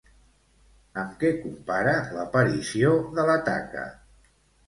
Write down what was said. Amb què compara l'aparició de la taca?